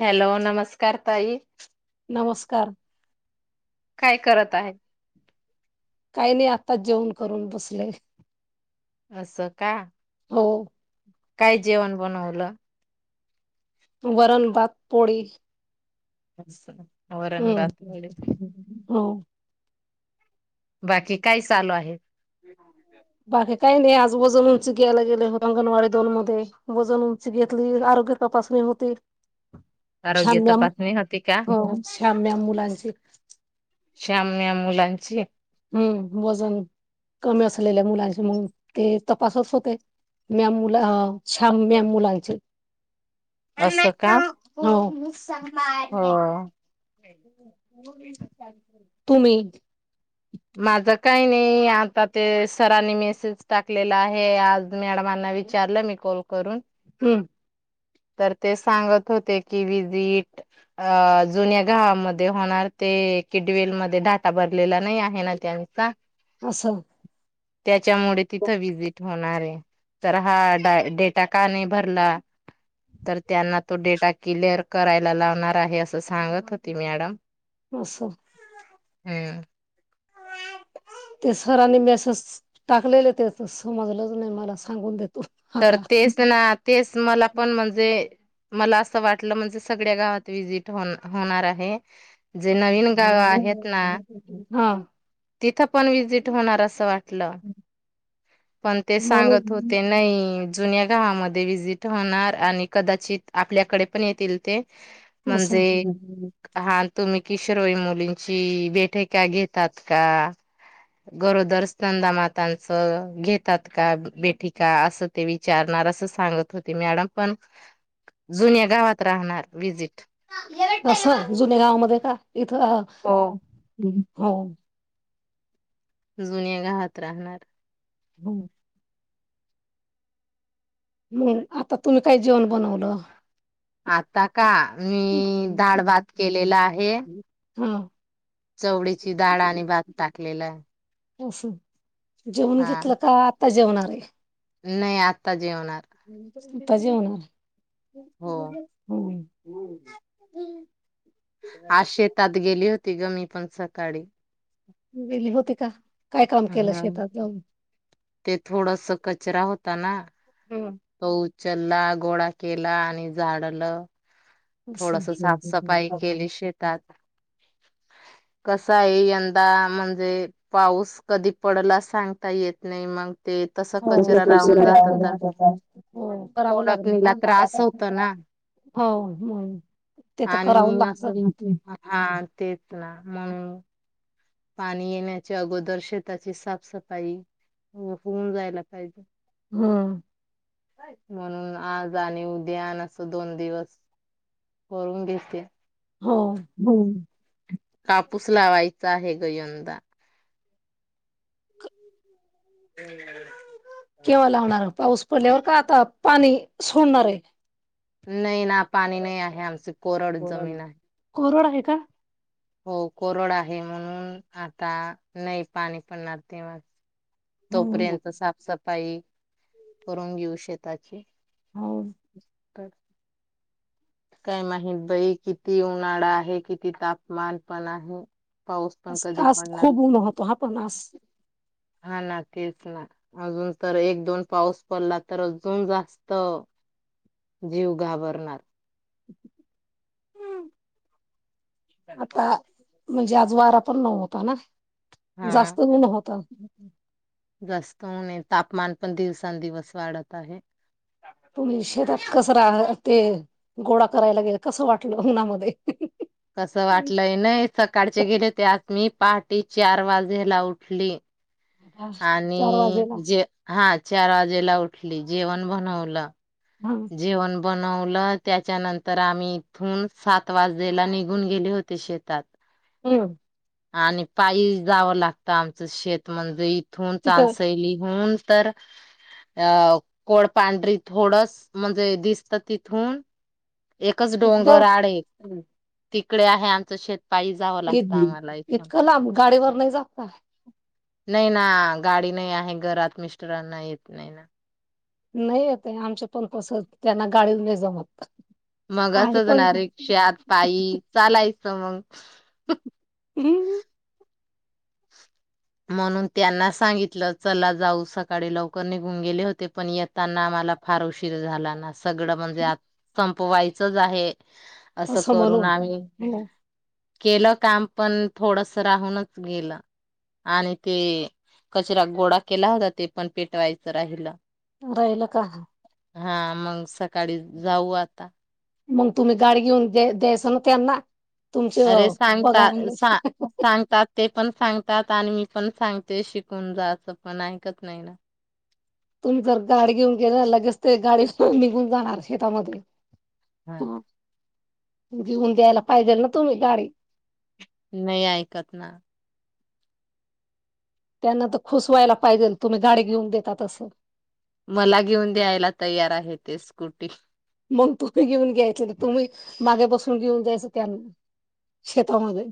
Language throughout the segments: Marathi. हॅलो नमस्कार ताई. नमस्कार. काय करत आहे. काही नाही आत्ताच जेऊन करून बसले. असं का? हो काय जेवण बनवलं? वरण भात पोळी. असं. वरण हम् भात पोळी हो. बाकी काय चालू आहे? ह [unintelligible] बाकी काही नाही आज वजन उंची घ्यायला गेले हो अंगणवाडी दोन मध्ये वजन उंची घेतली आरोग्य तपासणी होती. [inaudible] आरोग्य तपासणी होती का म्यॅम मुलांचे. श्याम म्यां मुलांची हम्म वजन कमी असलेल्या मुलांचे मग ते तपासच होते म्या मुला श्याम म्या मुलांचे असं का हं. हो तुम्ही माझ काही नाही आता ते सरांनी मेसेज टाकलेला आहे आज मॅडमांना विचारलं मी कॉल करून हम्म. तर ते सांगत होते की विजिट अ जुन्या गावामध्ये होणार ते किडवेलमध्येध्ये ढाटा भरलेला नाही. हन त्यानचा अस त्या त्याच्यामुळे तिथं व्हजिट होणार आहे. तर हा डा डेटा का नाही भरला तर त्यांना तो डेटा क्लिअर करायला लावणार आहे असं सांगत होती मॅडम. अस. ह. ते सरांनी मेसेज टाकलेले त्याच समजलंच नाही मला सांगून देत तर तेच ना तेच मला पण म्हणजे मला असं वाटलं म्हणजे सगळ्या गावात विजिट होणं होणार आहे. जे नवीन गाव आहेत ना हा. तिथं पण व्हजिट होणार असं वाटत तल पण ते सांगत म्हणून होते नाही, जुन्या गावामध्ये व्हिजिट होणार आणि कदाचित आपल्याकडे पण येतील ते अस म्हणजे हा तुम्ही किशोरवैन मुलींची बेठक का घेतात का गरोदर स्नंदा मातांचं घेतात का? भेटी का? असं ते विचारणार असं सांगत होते मॅडम पण जुन्या गावात राहणार विजिट तस जुने गावामध्ये का इथ हो. हो. जुन्या गावात राहणार. हम. मग आता तुम्ही काय जेवण बनवलं? आता का? मी दाळ भात केलेला आहे. हां. चवडीची डाळ आणि भात टाकल लेला. औषध जेवण घेतलं का? आता जेवणार आहे. नाही आता जेवणार. आता जेवणार. हो. हम्म. [inaudible] आज शेतात गेली होती ग मी पण सकाळी. गेली होती का? काय काम केलं हा शेतात जाऊन ते थोडस कचरा होता ना तो उचलला गोळा केला आणि झाडलं असं थोडस साफसफाई केली शेतात. कस आहे यंदा म्हणजे पाऊस कधी पडला सांगता येत नाही मग ते तस कचरा हो हो करावं कोरडा लागणार पडला तर ना आस होत ना हो मग ते तर करावं आणि लागत असं हा तेच ना म्हणून ह पाणी येण्याच्या अगोदर शेताची साफसफाई होऊन जायला पाहिजे. हम्म म्हणून आज आणि उद्यान असं दोन दिवस करून घेते. हो होम कापूस लावायचा आहे ग यंदा. केव्हा लावणार, पाऊस पडल्यावर का आता पाणी सोडणार आहे. नाही ना पाणी नाही आहे आमच. कोरड कोरड आहे. का. हो कोरड आहे म्हणून आता नाही पाणी पणणार तेव्हा हो तोपर्यंत सा साप सपाई करून घेऊ शेताची. हो. तर काय माहीत बाई किती उन्हाळा आहे, किती तापमान पण आहे. पाऊस पण कधी आज पडणार खूप ऊन होतं हा पण आज. हा, ना, तेच, ना, आग तर एक दोन पाऊस पडला तर अजून जास्त जीव घाबरणार. ह आता म्हणजे आज वारा पण नव्हता ना. हा जास्त ऊन होता जास्त उन हाय तापमान. पण दिवसां दिवस वाढत आहे तुम्ही शेतात कसं ते गोळा करायला गेल कसं वाटलं उन्हामध्ये. कसं वाटलंय नाही सकाळचे गेले ते आत मी. पहाटी चार वाजेला उठली. चार वाजेला आणि जे हा. चारा वाजेला उठली जेवण बनवलं. हा जेवन. बनवलं त्याच्यानंतर आम्ही इथून सात वाजेला निघून गेले होते शेतात. हम्. आणि पायी जावं लागतं आमचं शेत म्हणजे ई. ईथून तिथं चांनसईली हून. तर अ कोडपांढरी थोडस. म्हणजे दिसत तिथून. एकच डोंगर इतकं आड ये. तिकडे आहे आमचं शेत. पायी जावं लागतं आम्हाला इथून. इतकं लांब? गाडी वर नाही जात. नाही ना गाडी नाही आहे घरात मिस्टरांना येत नाही ना. नाही येत? आमच्या पण तस त्यांना गाडीच नाही जमत. मग आहे असंच पण ना रिक्षात पायी चालायचं मग. हम्म. म्हणून त्यांना सांगितलं चला जाऊ. सकाळी लवकर निघून गेले होते पण येताना आम्हाला फार उशीर झाला ना. सगळं म्हणजे आ संपवायचंच आहे. [unintelligible] केल काम पण थोडस राहूनच गेल. आणि ते कचरा गोडा केला होता ते पण पेटवायचं राहिलं. राहिल का? हा मग स सकाळी जाऊ आता. मग तुम्ही गाडी घेऊन द्याय द्यायच ना त्यांना? तुमचे अरे सांगत पगार सांगतात ते पण सांगतात आणि मी पण सांगते शिकून जायचं पण ऐकत नाही ना. तुम्ही जर गाडी घेऊन गेले लगेच ते गाडी निघून जाणार शेतामध्ये हम्म. घेऊन द्यायला पाहिजेल ना तुम्ही गाडी? नाही ऐकत ना. त्यांना तर खुस वयला पाहिजे तुम्ही गाडी घेऊन देतात असं. मला घेऊन द्यायला तयार आहे ते स्कूटी. मग तुम्ही घेऊन घ्यायच ना. तुम्ही मागे बसून घेऊन जायच त्यांना शेतामध्ये.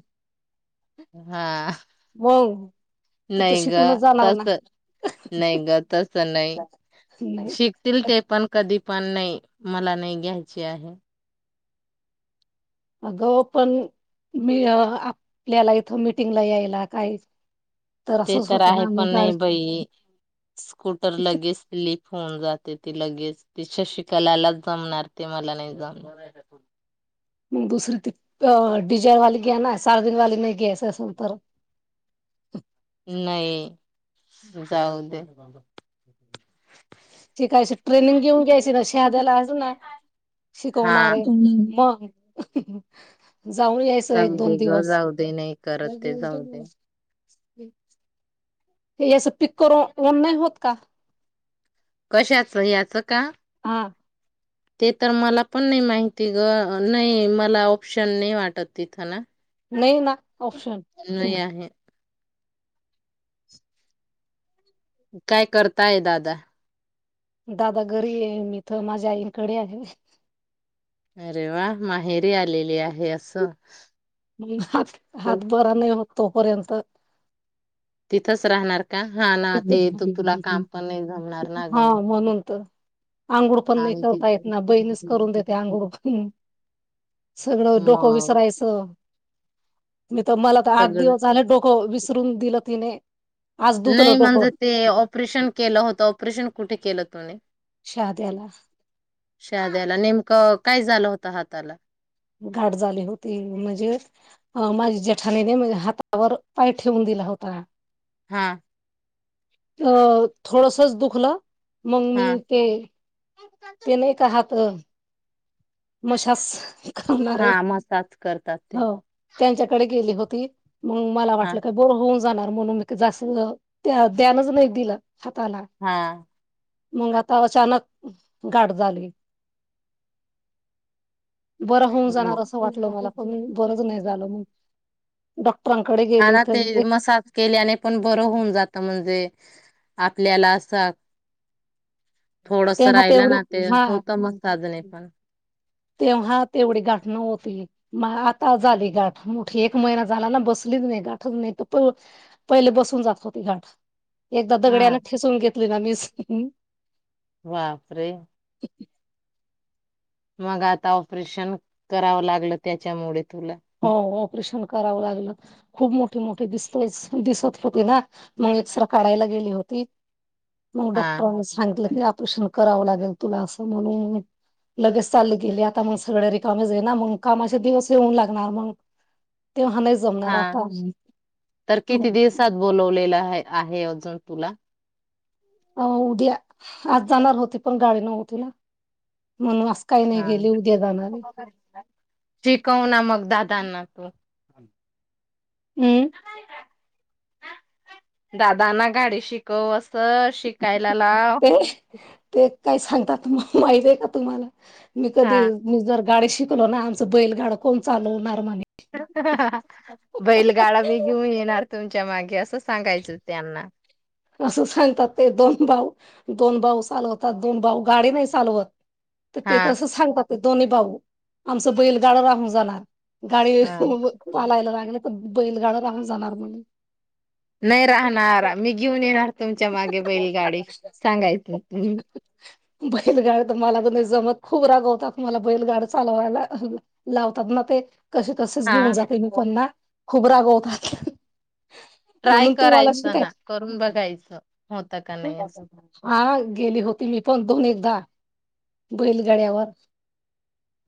हा. मग तू तर नाही ग शिकूनच जाणार तस ना नाही ग तस नाही नाही शिकतील ते पण कधी पण नाही मला नाही घ्यायचे आहे. अगं पण मी आपल्याला इथ मीटिंगला यायला काही ते असंच तर होतं आहे ना मग पण गाडी नाही बाई स्कूटर मग लगेच स्लीप होउन जाते ती लगेच ती शशिकलालाच जमणार ते मला नाही जमणार. मग दुसरी त अ डिजालवाली घ्या ना सार दिन वाली नाही घ्याचं असंल तर नाही जाऊ दे. शिकायच ट्रेनिंग घेऊन घ्यायची ना शद्याला ना हा शिकवणारे मग [unintelligible] जाऊन यायच जाऊ एक दोन दे ग दिवस जाऊ दे नाही करत ते जाऊ दे हे आस पिक करून ओन नाही होत का? कशाचं, याच का? हा. ते तर मला पण नाही माहिती ग. नाही मला ऑप्शन नाही वाटत तिथं ना नाही ना ऑप्शन. नाही आहे काय करताय दादा दादा घरी आहे, मीतर माझ्या आईकडे आहे. अरे वा माहेरी आलेली आहे अस म हात हात बरा नाही होतो. तोपर्यंत. तिथंच राहणार, का हा ना ते येतो तुला काम पण नाही जमणार ना ग अंघोळ पण नाही आणि ति करता येत, ना बहीणीच करून देते अंघोळ पण सगळं डोकं मग विचारायचं मी तर मला तर आठ सगळं दिवस झाल डोकं विसरून दिलं तिने आज दुतलं नाही म्हणजे डोकं ते ऑपरेशन केलं होतं. ऑपरेशन कुठे केलं तुने शहाद्याला शहाद्याला नेमकं अ काय झालं होत हाताला. गाठ झाली होती म्हणजे, अ माझी जेठाणीने माझ्या हातावर पाय ठेवून दिला होता. हा अ थोडासाच दुखल. मगमी हा ते! ते नाही का हात मसाज. हा मसाज करतात ते, त्यांच्याकडे गेली होती. मग मला हा वाटलं काय बोरं होऊन, जाणार म्हणून म जास्त ध्यानच नाही दिलं. हाताला. हा. मग आता अचानक गाठ झाली. बरं होऊन जाणार असं वाटलं मला पण बरच नाही, झालं मग डॉ हला ते मसाज केल्याने पण बरं होऊन जात म्हणजे, आपल्याला असा थोडस तेव्हा राहिलं तेवढी ना ते हा होतं मग साधने पण. तेव्हा तेवढी गाठ नव्हती. मग आता झाली गाठ मोठी एक महिना झाला ना बसलीच नाही गाठच नाही तर प पहिले बसून जात होती गाठ. एकदा हा दगड्याने ठेसून घेतली ना मीच बापरे. मग आता ऑपरेशन करावं लागलं त्याच्यामुळे तुला हो. ऑपरेशन करावं लागलं खूप मोठे मोठे दिसत दिसत होते ना, मग एक्स-रे काढायला गेली होती. मग हा डॉक्टरांनी सांगितलं. ऑपरेशन करावं लागेल तुला असं म्हणून लगेच चाल गेले आता मग सगळ्या रिकाम जाई ना, मग कामाचे दिवस येऊन लाग होणार मंग हा तर मग किती दिवसात बोलावले हाय आहे अजून तुला अ उद्या आज जाणार होती पण गाडी नव्हती ना म्हणून आज काही नाही हा गेले उद्या जाणार आहे शिकव ना मग दाद ताना तो [inaudible] दादाांना गाडी शिकव अस ते ते काय सांगतात म माहिती आहे का तुम्हाला? मी कधी हा. मी जर गाडी शिक ना आमं बैलगाडा कोण चालवणार म्हणे हाह हह बैलगाडा बी घेऊन येणार तुमच्या मागे असं सांगायचं त्यांना असं सांगतात ते दोन भाऊ दोन भाऊ चालवतात दोन भाऊ गाडी नाही चालवत तर ते हा तसं सांगतात ते दोन्ही भाऊ, आमचं बैलगाड राहून जाणार गाडी हा. पालायला लागली बैलगाडा राहून जाणार म्हण नाही राहणार मी घेऊन येणार तुमच्या मागे बैलगाडी म्हणे सांगायच् तुम्ही. बैलगाड तर मला तर नाही जमत खूप रागवतात मला बैलगाड चालवायला लावतात ना ते कशी तसेच घेऊन हा जाते मी कोना खुबरा गोवतात ट्राय करायचं ना? करून बघायचं होत का नाही असं हा गेली होती मी पण दोन्ही एकदा बैलगाड्यावर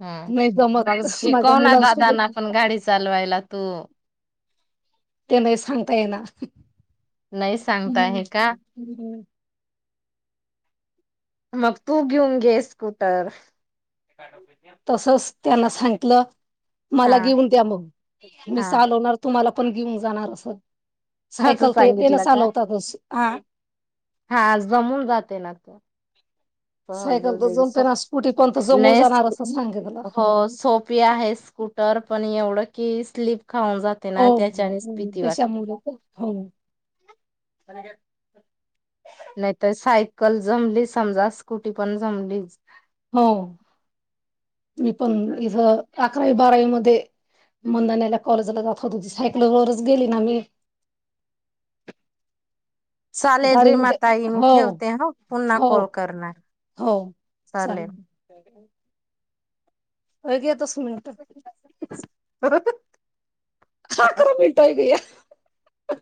हम्म, नाही ब जमत माझ्या शिकव ना दादाना मुलांसोबत पण गाडी चालवायला तू ते नाही सांगता येणार नाही सांगता हम्म हे का हम्म मग तू घेऊन घे स्कूटर तसच त्यांना सांगितलं हा मला घेऊन द्या मग मी हा चालवणार तुम्हाला आपण घेऊन जाणार असं असं सायकल तर येते ना सांगितलं का चालवतातच हा हा जमून जाते ना तर ब सायकल तर वेग जमते ना स्कुटी पण तर जमून नाही जाणार असं सांगितलं हो सोपी आहे स्कूटर पण एवढं की, स्लीप. खाऊन जाते हो ना त्याच्यानेच भीती वाटते. त्याच्यामुळ. त्याक [unintelligible] नाहीतर सायकल जमली, समजा स्कुटी पण जमलीच. हो मी पण इथ अकरावी बारावी मध्ये, मंदण्याला कॉलेजला जात होती. सायकलवरच गेली ना मी. चालेल रीम गाडीमध्ये ताई मी हो, ठेवते ह, पुन्हा हो, कॉल करणार हो. चालेल. काय घेतोस. मिनटत. हखरा बीलटय गय [unintelligible] ह